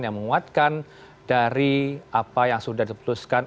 yang menguatkan dari apa yang sudah diputuskan